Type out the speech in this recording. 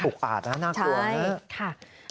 อุปาดนะน่ากลัวนะ